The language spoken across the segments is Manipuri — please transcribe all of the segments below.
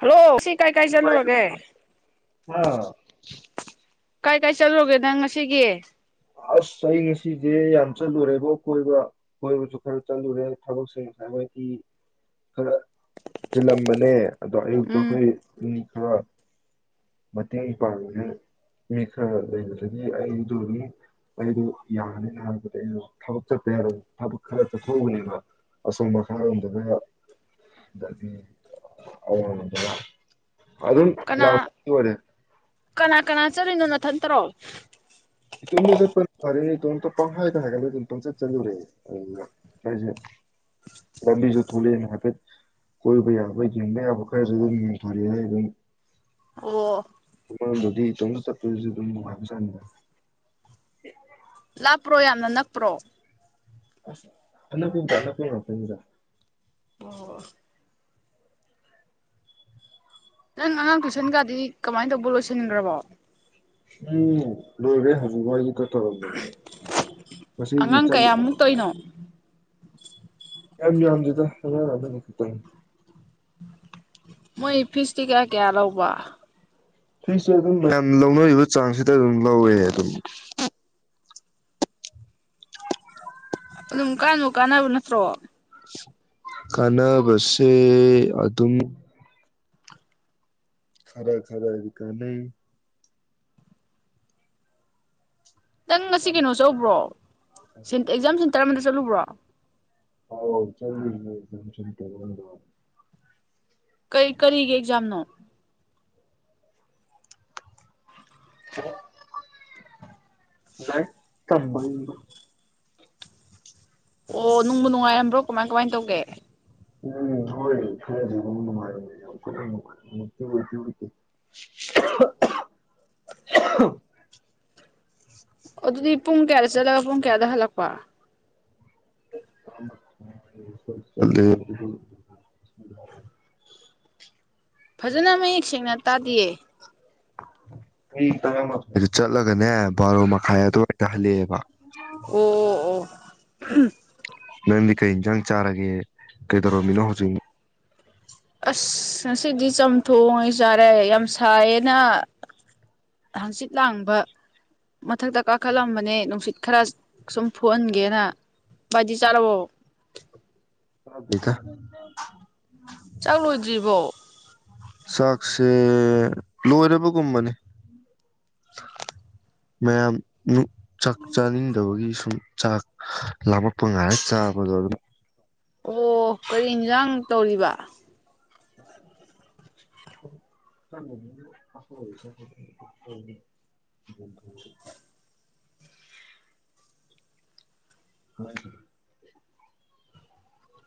ꯍꯜꯂꯣ ꯁꯤ ꯀꯥꯏ ꯀꯥꯏ ꯅꯨꯡꯉꯥꯏ ꯆꯠꯂꯨꯔꯒꯦ ꯍꯥ ꯀꯥꯏ ꯀꯥꯏ ꯆꯠꯂꯨꯒꯦ ꯅꯪ ꯉꯁꯤꯒꯤ ꯑꯁ ꯑꯩ ꯉꯁꯤꯁꯦ ꯌꯥꯝ ꯆꯠꯂꯨꯔꯦꯕꯣ ꯀꯣꯏꯕ ꯀꯣꯏꯕꯁꯨ ꯈꯔ ꯆꯠꯂꯨꯔꯦ ꯊꯕꯛꯁꯦ ꯉꯁꯥꯏ ꯍꯥꯏꯗꯤ ꯈꯔ ꯆꯤꯜꯂꯝꯕꯅꯦ ꯑꯗꯣ ꯑꯌꯨꯛꯇ ꯎꯝ ꯑꯩꯈꯣꯏ ꯎꯝ ꯈꯔ ꯃꯇꯦꯡ ꯄꯥꯡꯉꯦ ꯃꯤ ꯈꯔ ꯂꯩꯕꯗꯒꯤ ꯑꯩꯗꯨꯒꯤ ꯑꯩꯗꯨ ꯌꯥꯅꯤꯅ ꯍꯥꯏꯕꯗꯤ ꯑꯩ ꯊꯕꯛ ꯆꯠꯇ ꯌꯥꯗꯗꯥꯅ ꯊꯕꯛ ꯈꯔ ꯆꯠꯊꯣꯛꯎꯕꯅꯦꯕ ꯑꯁꯣꯝ ꯃꯈꯥꯔꯣꯝꯗꯗ ꯑꯗꯒꯤ ꯑꯋꯥꯡꯂꯣꯝꯗꯒ ꯑꯗꯨꯝ ꯀꯅꯥ ꯂꯥꯡꯕꯒꯤ ꯑꯣꯏꯔꯦ ꯀꯅꯥ ꯀꯅꯥ ꯆꯠꯂꯤꯅꯣ ꯅꯊꯟ ꯇꯔꯣ ꯏꯇꯣꯝꯇ ꯆꯠꯄꯅ ꯐꯔꯦ ꯏꯇꯣꯝꯇ ꯄꯪꯍꯥꯏꯗ ꯍꯥꯌꯒꯠꯂꯨꯔꯦ ꯑꯗꯨꯝ ꯄꯪꯆꯠ ꯆꯠꯂꯨꯔꯦ ꯑꯗꯨ ꯑꯩꯁꯦ ꯂꯝꯕꯤꯁꯨ ꯊꯣꯛꯂꯛꯑꯦꯅ ꯍꯥꯏꯐꯦꯠ ꯀꯣꯏꯕ ꯌꯥꯕ ꯌꯦꯡꯕ ꯌꯥꯕ ꯈꯔꯁꯨ ꯑꯗꯨꯝ ꯌꯦꯡꯊꯣꯔꯛꯑꯦ ꯑꯩ ꯑꯣ ꯑꯃꯔꯣꯝꯗꯗꯤ ꯏꯇꯣꯝꯇ ꯆꯠꯄꯗꯨꯁꯨ ꯑꯗꯨꯝ ꯅꯨꯡꯉꯥꯏꯕꯖꯥꯠꯅꯤ ꯍ [inaudible] ꯅꯞꯄ꯭ꯔꯣ ꯌꯥꯝꯅ ꯅꯛꯄ꯭ꯔꯣ ꯑꯁ ꯑꯅꯛꯄꯩꯗꯤ ꯑꯅꯛꯄ ꯉꯥꯛꯇꯅꯤꯗ ꯅꯪ ꯑꯉꯥꯡ ꯇꯨꯏꯁꯟꯒꯗꯤ ꯀꯃꯥꯏꯅ ꯇꯧꯕ ꯂꯣꯏꯁꯤꯟꯈ꯭ꯔꯕꯣ ꯎꯝ ꯂꯣꯏꯔꯦ ꯍꯧꯖꯤꯛꯋꯥꯏꯒꯤꯗ ꯇꯧꯔꯝꯕꯖꯦ ꯉꯁꯤꯒꯤ ꯑꯉꯥꯡ ꯆꯠꯂꯨ ꯀꯌꯥꯃꯨꯛ ꯇꯧꯔꯤꯅꯣ ꯌꯥꯝ ꯌꯥꯗꯦꯗ ꯑꯉꯥꯡ ꯑꯃꯥ ꯑꯅꯤ ꯈꯛꯇꯅꯤ ꯃꯣꯏ ꯐꯤꯁꯇꯤ ꯀꯥ ꯀꯌꯥ ꯂꯧꯕ ꯐꯤꯁꯦ ꯑꯗꯨꯝ ꯃꯌꯥꯝ ꯂꯧꯅꯔꯤꯕ ꯆꯥꯡꯁꯤꯗ ꯑꯗꯨꯝ ꯂꯧꯋꯦ ꯑꯗꯨꯝ ꯑꯗꯨꯝ ꯀꯥꯟꯕꯨ ꯀꯥꯟꯅꯕ ꯅꯠꯇ꯭ꯔꯣ ꯀꯥꯟꯅꯕꯁꯦ ꯑꯗꯨꯝ ꯈꯔ ꯈꯔꯗꯤ ꯀꯥꯟꯅꯩ ꯅꯪ ꯉꯁꯤ ꯀꯩꯅꯣ ꯆꯧꯕ꯭ꯔꯣ ꯁꯦꯟ ꯑꯦꯛꯖꯥꯝ ꯁꯦꯟ ꯇꯔꯝꯗ ꯆꯠꯂꯨꯕ꯭ꯔꯣ ꯑꯎ ꯆꯠꯂꯨꯏꯌꯦ [inaudible] ꯀꯔꯤ ꯀꯔꯤꯒꯤ ꯑꯦꯛꯖꯥꯝꯅꯣ ꯂꯥꯏꯔꯤꯛ ꯇꯝꯕꯩꯅꯤꯗ [inaudible] ꯑꯣ ꯅꯨꯡꯕꯨ ꯅꯨꯡꯉꯥꯏꯔꯝꯕ꯭ꯔꯣ ꯀꯃꯥꯏ ꯀꯃꯥꯏꯅ ꯇꯧꯒꯦ ꯎꯝ ꯊꯣꯛꯣꯏ ꯈꯔ ꯃꯥꯔ [inaudible] ꯑꯗꯨꯗꯤ ꯄꯨꯡ ꯀꯌꯥꯗ ꯆꯠꯂꯒ ꯄꯨꯡ ꯀꯌꯥꯗ ꯍꯜꯂꯛꯄ [inaudible] ꯐꯖꯅ ꯃꯌꯦꯛ ꯁꯦꯡꯅ ꯇꯥꯗꯤꯌꯦ ꯑꯩ ꯇꯔꯥ ꯃꯈꯥꯏꯗꯨ ꯆꯠꯂꯒꯅꯦ ꯕꯥꯔꯣ ꯃꯈꯥꯏ ꯑꯗꯨꯋꯥꯏꯗ ꯍꯜꯂꯛꯑꯦꯕ ꯎꯝ ꯎꯝ ꯎꯝ ꯎ [inaudible] ꯅꯪꯗꯤ ꯀꯩ ꯌꯦꯟꯖꯥꯡ ꯆꯥꯔꯒꯦ ꯀꯩꯗꯧꯔꯝꯃꯤꯅꯣ ꯍꯧꯖꯤꯛ ꯑꯁ ꯉꯁꯤꯗꯤ ꯆꯝꯊꯣꯡ ꯑꯣꯏꯅ ꯆꯥꯔꯦ ꯌꯥꯝ ꯁꯥꯏꯌꯦꯅ ꯍꯪꯆꯤꯠ ꯂꯥꯡꯕ ꯃꯊꯛꯇ ꯀꯥꯈꯠꯂꯝꯕꯅꯦ ꯅꯨꯡꯁꯤꯠ ꯈꯔ ꯁꯨꯝ ꯐꯨꯍꯟꯒꯦꯅ ꯚꯏꯗꯤ ꯆꯥꯔꯕꯣ ꯆꯗꯦꯗ ꯆꯥꯛ ꯂꯣꯏꯗ꯭ꯔꯤꯕꯣ ꯆꯥꯛꯁꯦ ꯂꯣꯏꯔꯕꯒꯨꯝꯕꯅꯤ ꯃꯌꯥꯝ ꯆꯥꯛ ꯆꯥꯅꯤꯡꯗꯕꯒꯤ ꯁꯨꯝ ꯆꯥꯛ ꯂꯥꯝꯂꯃꯛꯄ ꯉꯥꯏꯔ ꯆꯥꯕꯗꯣ ꯑꯗꯨꯅ ꯑꯣ ꯀꯔꯤ ꯌꯦꯟꯁꯥꯡ ꯇꯧꯔꯤꯕ [inaudible] ꯍ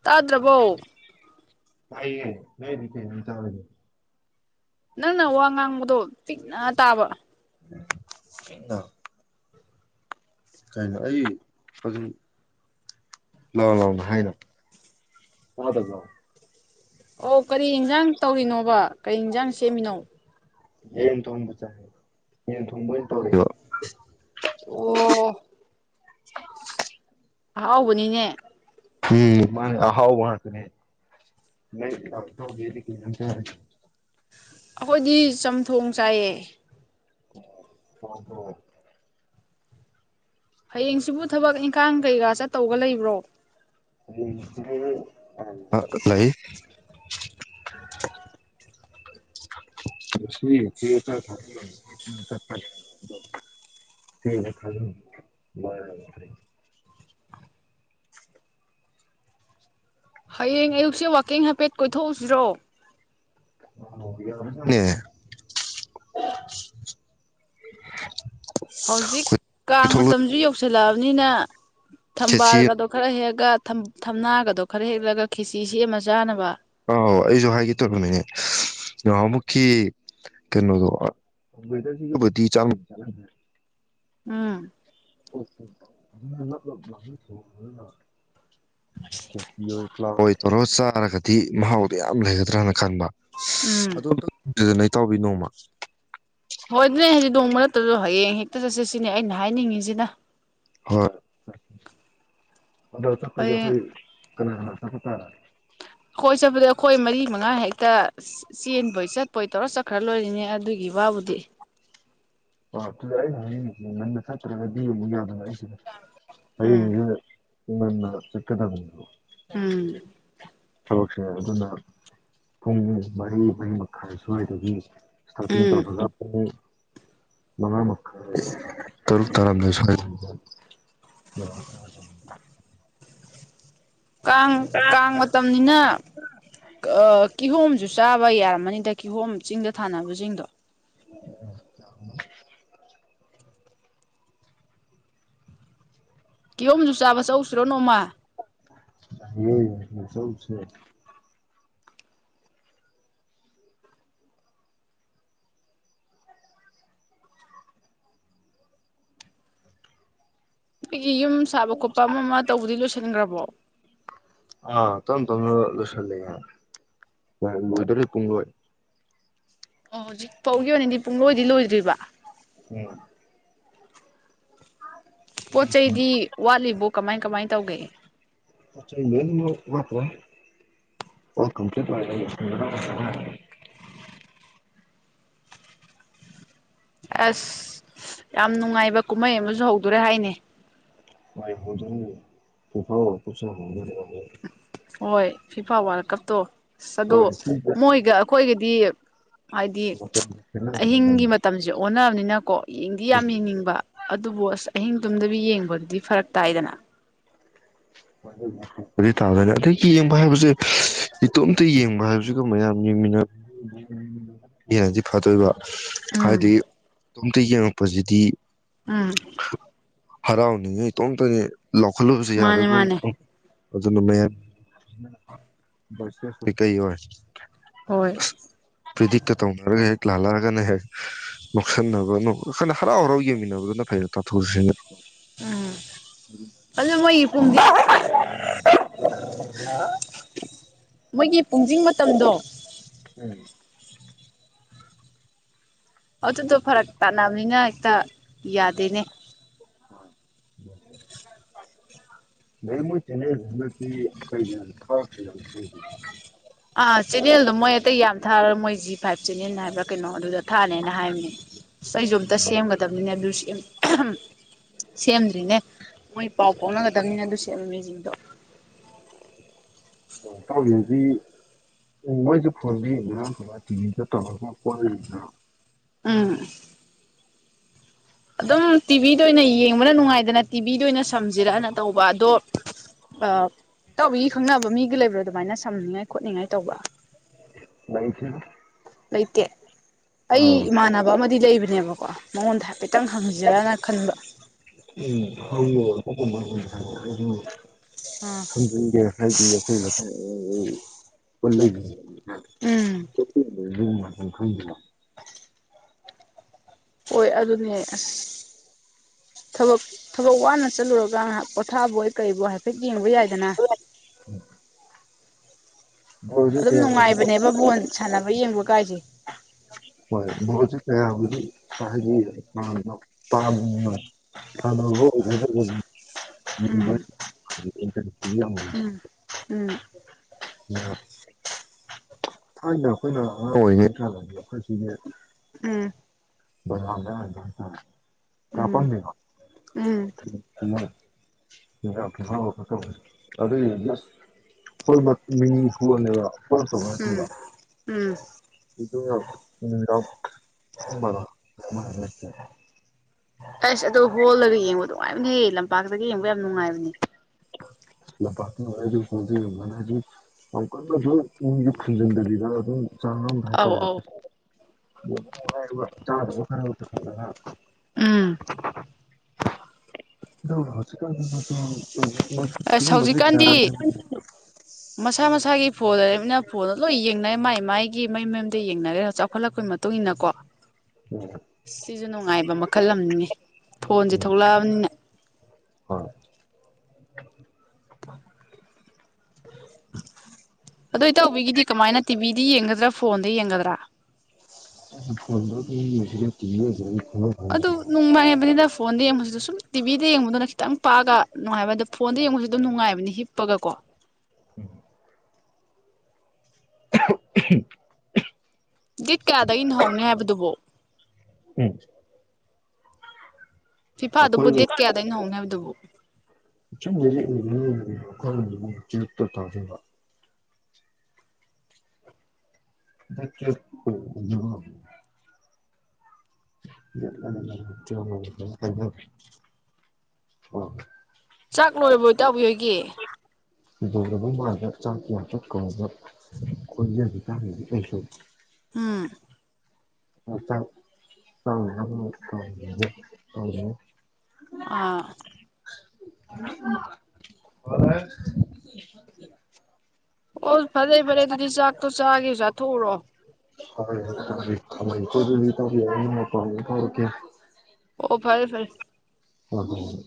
ꯇꯥꯗ꯭ꯔꯕꯣ ꯀ ꯆ ꯅꯪꯅ ꯋꯥ ꯉꯥꯡꯕꯗꯣ ꯄꯤꯛꯅ ꯇꯥꯕ [inaudible] ꯀꯩꯅꯣ ꯑꯩ ꯐꯖ ꯂꯥꯛꯑꯣ ꯂꯥꯛꯑꯣꯅ ꯍꯥꯏꯅ ꯐꯗꯕ ꯂꯥꯛꯑꯣ ꯑꯣ ꯀꯔꯤ ꯌꯦꯟꯁꯥꯡ ꯇꯧꯔꯤꯅꯣꯕ ꯀꯔꯤ ꯌꯦꯟꯖꯥꯡ ꯁꯦꯝꯃꯤꯅꯣ ꯌꯦꯟ ꯇꯝꯕ ꯆ ꯊ ꯇ ꯑꯣ ꯑꯍꯥꯎꯕꯅꯤꯅꯦ ꯎ ꯃꯥꯅꯦ ꯑꯍꯥꯎ ꯋꯥ ꯀꯅꯦ ꯀ ꯑꯩꯈꯣꯏꯗꯤ ꯆꯝꯊꯣꯡ ꯆꯥꯏꯑ ꯍ ꯍ ꯍꯌꯦꯡꯁꯤꯕꯨ ꯊꯕꯛ ꯏꯪꯈꯥꯡ ꯀꯩꯀꯥ ꯆꯠꯇꯧꯕꯒ ꯂꯩꯕ꯭ꯔꯣ [inaudible] ꯍꯌꯦꯡ ꯑꯌꯨꯛꯁꯦ ꯋꯥꯛꯀꯤꯡ ꯍꯥꯏꯐꯦꯠ ꯀꯣꯏꯊꯣꯛꯎꯁꯤꯔꯣ ꯑ ꯍꯧꯖꯤꯛ ꯀꯥꯡ ꯃꯇꯝꯁꯨ ꯌꯧꯁꯤ ꯁꯨꯂꯕꯅꯤꯅ ꯊꯝꯕꯥꯜ ꯆꯦꯆꯦ ꯀꯗꯣ ꯈꯔ ꯍ ꯍꯥꯏꯒ ꯊꯝꯅꯥꯒꯗꯣ ꯈꯔ ꯍꯦꯛꯂꯒ ꯈꯤꯆ ꯁꯦꯝꯃ ꯆꯥꯅꯕ ꯑꯥꯎ ꯑꯩꯁꯨ ꯍꯥꯏꯒꯦ ꯇꯧꯅꯤꯅꯦꯍ ꯑꯃꯨꯛꯀꯤ ꯀꯩꯅꯣꯗꯣꯕꯨꯗꯤ ꯎꯝ ꯑꯣ ꯆ ꯂ ꯂꯥꯛꯑꯣꯏ ꯇꯧꯔꯣ ꯆꯥꯔꯒꯗꯤ ꯃꯍꯥꯎꯗꯣ ꯌꯥꯝ ꯂꯩꯒꯗ꯭ꯔꯥꯅ ꯈꯟꯕ ꯎꯝ ꯑꯗꯨꯗ ꯅ ꯇꯥꯎꯤ ꯅꯣꯡꯃ ꯍꯣꯏ ꯑꯗꯨꯅꯦ ꯍꯧꯖꯤꯗꯤ ꯅꯣꯡ ꯃꯔꯛꯇꯁꯨ ꯍꯌꯦꯡ ꯍꯦꯛꯇ ꯆꯠꯁꯤ ꯁꯤꯅꯦ ꯑꯩꯅ ꯍꯥꯏꯅꯤꯡꯉꯤꯁꯤꯅ ꯍꯣꯏ ꯑꯣꯟꯗ ꯆꯄꯒꯤ ꯍꯌꯦꯡ ꯍꯣꯏ ꯀ ꯑꯗꯨ ꯇ ꯑꯩꯈꯣꯏ ꯆꯠꯄꯗꯤ ꯑꯩꯈꯣꯏ ꯃꯔꯤ ꯃꯉꯥ ꯍꯦꯛꯇ ꯆꯦꯟꯕꯣꯏ ꯆꯠꯄꯣꯏ ꯇꯧꯔ ꯆꯠꯈ꯭ꯔ ꯂꯣꯏꯔꯤꯅꯦ ꯑꯗꯨꯒꯤ ꯋꯥꯕꯨꯗꯤ ꯑꯗꯨꯗ ꯑꯩꯅ ꯍꯥꯏꯅꯤꯡꯉꯁꯤꯦ ꯉꯟꯅ ꯆꯠꯇ꯭ꯔꯒꯗꯤ ꯑꯃꯨꯛ ꯌꯥꯗ ꯑꯩ ꯎꯝ ꯕꯅ ꯆꯠꯀꯗꯕꯅꯤꯣ ꯎꯝ ꯊꯕꯛꯁꯦ ꯑꯗꯨꯅ ꯄꯨꯡ ꯃꯔꯤ ꯃꯔꯤ ꯃꯈꯥꯏ ꯁ꯭ꯋꯥꯏꯗꯒꯤ ꯁ ꯇ ꯎꯝ ꯍꯖꯦ ꯃꯉ ꯇꯔꯨꯛ ꯇꯔꯝꯗꯁ ꯑꯣ ꯀꯥꯡ ꯀꯥꯡ ꯃꯇꯝꯅꯤꯅ ꯀꯤꯍꯣꯝꯁꯨ ꯆꯥꯕ ꯌꯥꯔꯝꯃꯅꯤꯗ ꯀꯤꯍꯣꯝ ꯆꯤꯡꯗ ꯊꯥꯅꯕꯁꯤꯡꯗꯣ [inaudible] ꯀꯤꯍꯣꯝꯁꯨ ꯆꯥꯕ ꯆꯧꯁꯤꯔꯣ ꯅꯣꯡꯃ ꯌꯥꯏꯌꯦ ꯆꯧꯁꯦ ꯎ ꯁꯤ ꯌꯨꯝ ꯁꯥꯕ ꯈꯣꯠꯄ ꯑꯃ ꯑꯃ ꯇꯧꯕꯗꯤ ꯂꯣꯏꯁꯤꯟꯈ꯭ꯔꯕꯣ ꯑ ꯇꯝ ꯇꯝꯅ ꯂꯏꯁꯤꯜꯂꯤꯌꯦ ꯂꯣꯏꯘꯔꯦ ꯄꯨꯡꯂꯣꯏ ꯑꯣ ꯍꯧꯖꯤꯛ ꯐꯥꯎꯒꯤ ꯑꯣꯏꯅꯗꯤ ꯄꯨꯡꯂꯣꯏꯗꯤ ꯂꯣꯏꯗ꯭ꯔꯤꯕ ꯎꯝ ꯄꯣꯠ ꯆꯩꯗꯤ ꯋꯥꯠꯂꯤꯕꯣ ꯀꯃꯥꯏ ꯀꯃꯥꯏ ꯇꯧꯒꯦ [unintelligible] ꯑꯁ ꯌꯥꯝ ꯅꯨꯡꯉꯥꯏꯕ ꯀꯨꯝꯍꯩ ꯑꯃꯁꯨ ꯍꯧꯗꯣꯔꯦ ꯍꯥꯏꯅꯦ [unintelligible] ꯍꯣꯏ ꯐꯤꯐꯥ ꯋꯥꯔꯜ ꯀꯞꯇꯣ ꯑꯁ ꯑꯗꯣ ꯃꯣꯏꯒ ꯑꯩꯈꯣꯏꯒ ꯌꯦ ꯍꯥꯏꯗꯤ ꯑꯍꯤꯡꯒꯤ ꯃꯇꯝꯁꯦ ꯑꯣꯟꯅꯕꯅꯤ ꯅꯥꯀꯣ ꯌꯦꯡꯗꯤ ꯌꯥꯝ ꯌꯦꯡꯅꯤꯡꯕ ꯑꯗꯨꯕꯨ ꯑꯁ ꯑꯍꯤꯡ ꯇꯨꯝꯗꯕꯤ ꯌꯦꯡꯕꯗꯨꯗꯤ ꯐꯔꯛ ꯇꯥꯏꯗꯅ ꯗꯨ ꯇꯥꯗꯅꯤ ꯑꯗꯒꯤ ꯌꯦꯡꯕ ꯍꯥꯏꯕꯁꯦ ꯏꯇꯣꯝꯇ ꯌꯦꯡꯕ ꯍꯥꯏꯕꯁꯤꯒ ꯃꯌꯥꯝ ꯌꯦꯡꯃꯤꯟꯅ ꯌꯦꯅꯗꯤ ꯐꯗꯣꯏꯕ ꯍꯥꯏꯗꯤ ꯎꯝ ꯇꯣꯝꯇ ꯌꯦꯡꯉꯛꯄꯁꯤꯗꯤ ꯑꯥ ꯍꯔꯥꯎꯅꯤꯡꯉꯤ ꯏꯇꯣꯝꯇꯅꯤ ꯂꯧꯈꯠꯂꯨꯕꯁꯨ ꯌꯥꯗ ꯃꯥꯅꯦ ꯎꯝ ꯃꯥꯅꯦ ꯑꯗꯨꯅ ꯃꯌꯦ ꯀꯩ ꯑꯣꯏ ꯍꯣꯏ ꯄ꯭ꯔꯤꯗꯤꯛ ꯀꯥ ꯇꯧꯅꯔꯒ ꯂꯥꯜꯂꯛꯑꯒꯅ ꯍꯦꯛ ꯅꯣꯛꯁꯟꯅꯕꯅ ꯅꯣꯛ ꯈꯣꯏꯅ ꯍꯔꯥꯎ ꯍꯔꯥꯎ ꯌꯦꯡꯃꯤꯟꯅꯕꯗꯨꯅ ꯐꯩꯔ ꯇꯥꯊꯣꯛꯔꯤꯁꯤꯟ ꯎꯝ ꯑꯗꯨ ꯃꯣꯏꯒꯤ ꯄꯨꯝꯗꯤ ꯃꯣꯏꯒꯤ ꯄꯨꯡꯁꯤꯡ ꯃꯇꯝꯗꯣ ꯎꯝ ꯑꯗꯨꯗꯣ ꯐꯔꯛ ꯇꯥꯅꯕꯅꯤꯅ ꯍꯦꯛꯇ ꯌꯥꯗꯦꯅꯦ ꯃꯣꯏ ꯆꯦꯅꯦꯜ [unintelligible] ꯑꯥ ꯆꯦꯅꯦꯜꯗꯣ ꯃꯣꯏ ꯑꯇꯩ ꯌꯥꯝ ꯊꯥꯔ ꯃꯣꯏ ꯖꯤ ꯐꯥꯏꯚ ꯆꯦꯅꯦꯜ ꯍꯥꯏꯕ꯭ꯔꯥ ꯀꯩꯅꯣ ꯑꯗꯨꯗ ꯊꯥꯅꯦꯅ ꯍꯥꯏꯕꯅꯦ ꯑꯩꯁꯨ ꯑꯝꯇ ꯁꯦꯝꯒꯗꯕꯅꯤꯅꯦ ꯑꯗꯨ [inaudible] ꯁꯦꯝꯗ꯭ꯔꯤꯅꯦ ꯃꯣꯏ ꯄꯥꯎ ꯄꯥꯎꯅꯒꯗꯝꯅꯤꯅ ꯑꯗꯨ ꯃꯖꯤꯛꯗꯣ ꯇꯧꯔꯤꯗꯤ ꯎꯝ ꯃꯣꯏꯁꯨ ꯐꯣꯟ ꯂꯩꯔꯤꯗꯅ ꯊ ꯇꯤꯚꯤꯗ ꯇꯧꯔꯒ ꯄꯣ ꯂꯩꯗꯅ ꯑꯝ ꯑꯗꯨꯝ ꯇꯤꯚꯤꯗ ꯑꯣꯏꯅ ꯌꯦꯡꯕꯅ ꯅꯨꯡꯉꯥꯏꯗꯅ ꯇꯤꯚꯤꯗ ꯑꯣꯏꯅ ꯁꯝꯖꯤꯔꯛꯑꯅ ꯇꯧꯕ ꯑꯗꯣ ꯇꯧꯔꯤꯒꯤ ꯈꯪꯅꯕ ꯃꯤꯒ ꯂꯩꯕ꯭ꯔꯥ ꯑꯗꯨꯃꯥꯏꯅ ꯁꯝꯅꯤꯡꯉꯥꯏ ꯈꯣꯠꯅꯤꯡꯉꯥꯏ ꯇꯧꯕ ꯂꯏꯁꯤ ꯂꯩꯩꯀꯦ ꯑꯩꯃꯅꯅꯕ ꯑꯃꯗꯤ ꯂꯩꯕ ꯌꯦꯕꯣꯑꯣ ꯃꯉꯣꯟ ꯊꯥꯛ ꯍꯥꯏꯐꯦꯠꯇꯪ ꯍꯪꯖꯔꯅ ꯈꯟꯕ ꯎꯃ ꯊ ꯎ ꯖꯒꯦ ꯍꯥꯏꯣꯏ ꯄꯨꯂ [inaudible] ꯎꯝ ꯪ [inaudible] ꯍꯣꯏ ꯑꯗꯨꯅꯦ ꯑꯁ ꯊꯕꯛ ꯊꯕꯛ ꯋꯥꯅ ꯆꯠꯂꯨꯔꯒ ꯉꯥꯏꯍꯥꯛ ꯄꯣꯊꯥꯕꯣꯏ ꯀꯔꯤꯕꯣ ꯍꯥꯏꯐꯦꯠ ꯌꯦꯡꯕ ꯌꯥꯏ ꯊꯅ ꯕꯣꯜꯁꯦ ꯑꯗꯨꯝ ꯀꯌꯥꯕꯨꯗꯤ ꯅꯨꯡꯉꯥꯏꯕꯅꯦꯕ ꯕꯣꯣꯟ ꯁꯥꯟꯅꯕ ꯌꯦꯡꯕ ꯀꯥꯏꯦ ꯍꯣꯏ ꯃꯁꯨ ꯀꯕꯨꯗꯤ [inaudible] ꯇꯥꯃ ꯍꯗꯣ ꯍ ꯀꯗ ꯎꯝ ꯎꯝ ꯏ ꯎꯝ ꯎꯝ ꯌꯥ ꯑ ꯊꯥꯏꯅ ꯑꯩꯈꯣꯏꯅꯉ ꯑꯣꯏꯉ ꯇ꯭ꯔ ꯐꯁꯤꯕꯨ ꯎꯝ ꯗ ꯀꯄ ꯎꯝ ꯎꯝ ꯎꯝ ꯥꯛ ꯑꯗꯨꯏꯗꯤꯁ ꯍꯣꯏ ꯃꯤ ꯍꯣꯅꯦꯕ ꯍꯣ ꯇꯧꯕ ꯎꯝ ꯅꯠꯇꯦꯕ ꯎꯝ ꯑꯗꯨꯅ ꯖꯡ ꯀꯨꯝꯕꯗ [inaudible] ꯑꯁ ꯑꯗꯨꯣ ꯍꯣꯜꯂꯒ ꯌꯦꯡꯕ ꯑꯗꯨꯉꯥꯏꯅꯩꯌꯦ ꯂꯝꯄꯥꯛꯇꯒ ꯌꯦꯡꯕ ꯌꯥꯝ ꯅꯨꯡꯉꯥꯏꯕꯅꯦ ꯂꯝꯄꯥꯛꯇ ꯍꯥꯏ ꯈꯗꯅ ꯍꯥꯏꯁꯨ ꯌꯥꯝ ꯀꯟꯅ ꯑꯧ ꯑꯗꯨ ꯑꯧ ꯌꯒꯤ ꯐꯟꯖꯤꯟꯕꯤꯗ ꯑꯗꯨꯝ ꯥꯡ ꯦꯇꯔ ꯎꯝ ꯍꯥꯏꯔ ꯆꯥꯗꯕ ꯈꯔ ꯑꯣꯏꯂ ꯍꯧꯁꯤ ꯑꯁ ꯍꯧꯖꯤꯛꯀꯥꯟꯗꯤ ꯃꯁꯥ ꯃꯁꯥꯒꯤ ꯐꯣꯟ ꯂꯩꯔꯃꯤꯅ ꯐꯣꯟꯗ ꯂꯣꯏ ꯌꯦꯡꯅꯔ ꯃꯥꯏ ꯃꯥꯏꯒꯤ ꯃꯩ ꯃꯌꯨꯝꯗ ꯌꯦꯡꯅꯔꯦꯅ ꯆꯥꯎꯈꯠꯂꯛꯄꯒꯤ ꯃꯇꯨꯡ ꯏꯟꯅ ꯀꯣ ꯁꯤꯁꯨ ꯅꯨꯡꯉꯥꯏꯕ ꯈꯜꯂꯝꯉ ꯐꯣꯟꯁꯦ ꯎꯝ ꯊꯣꯛꯂꯛꯑꯕꯅꯤꯅ ꯍꯣꯏ ꯑꯗꯨꯏ ꯇꯧꯕꯤꯒꯤꯗꯤ ꯀꯃꯥꯏꯅ ꯇꯤꯚꯤꯗ ꯌꯦꯡꯒꯗ꯭ꯔꯥ ꯐꯣꯟꯗ ꯌꯦꯡꯒꯗ꯭ꯔꯥ ꯐꯁꯤ ꯑꯗꯨ ꯅꯨꯡꯉꯥꯏꯕꯅꯤꯅ [unintelligible] ꯐꯣꯟꯗ ꯌꯦꯡꯕꯁꯤꯗ ꯁꯨꯝ ꯇꯤꯚꯤꯗ ꯌꯦꯡꯕꯗꯨꯅ ꯈꯤꯇꯪ ꯄꯥꯛꯑꯒ ꯅꯨꯡꯉꯥꯏꯕ ꯑꯗꯣ ꯐꯣꯟꯗ ꯌꯦꯡꯕꯁꯤ ꯑꯗꯨꯝ ꯅꯨꯡꯉꯥꯏꯕꯅꯤ ꯍꯤꯞꯄꯒꯀꯣ ꯎꯝ [unintelligible] ꯗꯦꯠ ꯀꯌꯥꯗꯒꯤꯅꯣ ꯍꯧꯅꯤ ꯍꯥꯏꯕꯗꯨꯕ ꯎꯝ ꯐꯤꯐꯥꯗꯨꯕꯨ ꯗꯦꯠ ꯑꯩꯈꯣꯏꯅ ꯀꯌꯥꯗꯩꯅ ꯍꯣꯡꯅꯦ ꯍꯥꯏꯕꯗꯨꯕꯨ [unintelligible] [unintelligible] [unintelligible] ꯆꯥꯛ ꯂꯣꯏꯔꯤꯕꯕꯣ ꯏꯇꯧꯕꯤ ꯍꯣꯏ ꯒꯤ ꯗꯧꯔꯕ ꯃꯥꯜꯂꯦ ꯆꯥꯛ ꯌꯥ ꯆꯠꯈꯕ ꯈꯣꯏꯖꯒꯤ ꯇꯥꯟꯅꯗꯤ ꯂꯩꯁꯨ ꯎꯝ [unintelligible] ꯑꯥ [unintelligible] [unintelligible] ꯑꯣ ꯐꯖꯩ ꯐꯔꯦ ꯑꯗꯨꯗꯤ ꯆꯥꯛꯇꯣ ꯆꯥꯒꯦ ꯆꯥꯊꯣꯛꯎꯔꯣ ꯀꯝꯃꯥꯒꯦꯀꯣ ꯏꯇꯥꯎꯕꯤ [unintelligible] ꯑꯣ ꯐꯥꯔꯦ ꯐꯥꯔꯦ ꯍꯣꯏ ꯍꯣꯏ